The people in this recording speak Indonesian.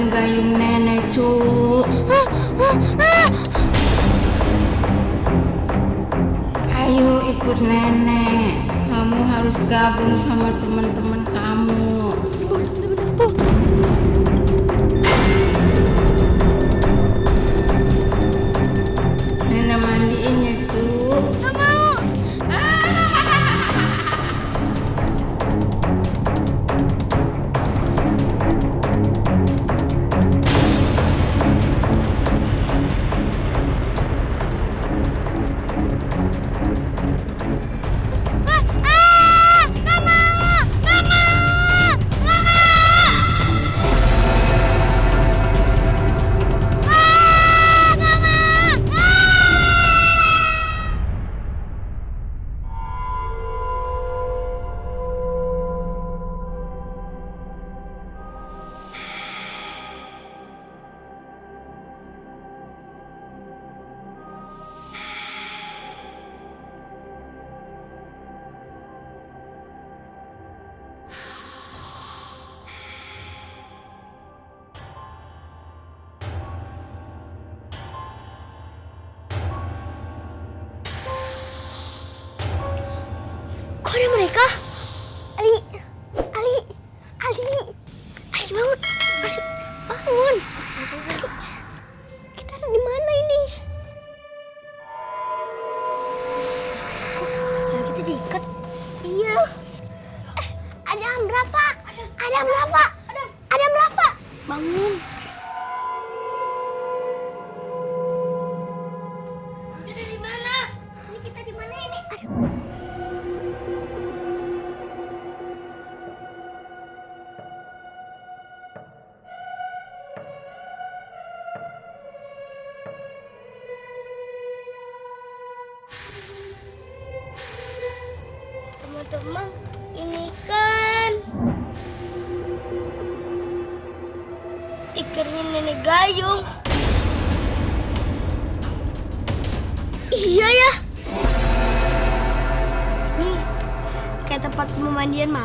gayung kesini lagi aku udah takut lagi udah capek udah pengen makan ah makan